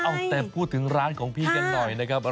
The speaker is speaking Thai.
เอาแต่พูดถึงร้านของพี่กันหน่อยนะครับ